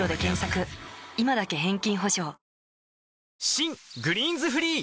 新「グリーンズフリー」